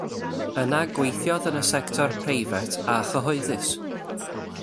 Yna gweithiodd yn y sector preifat a chyhoeddus.